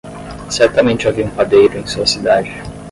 Certamente havia um padeiro em sua cidade.